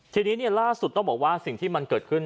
ทีนี้ล่าสุดต้องบอกว่าสิ่งที่มันเกิดขึ้น